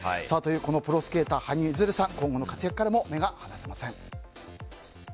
このプロスケーター羽生結弦さん、今後の活躍からも目が離せません。